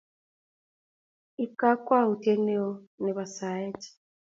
ib kakwoutie neo nebo saet